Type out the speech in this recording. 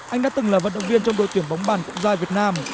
anh đã từng là vận động viên trong đội tuyển bóng bàn cục dài việt nam